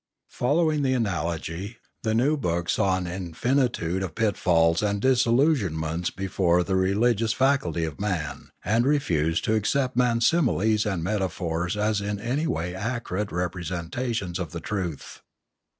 Following the analogy, the new book saw an infin itude of pitfalls and disillusionments before the religious faculty of man, and refused to accept man's similes and metaphors as in any way accurate representations of the truth.